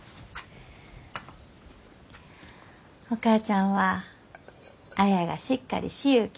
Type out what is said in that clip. お母ちゃんは綾がしっかりしゆうき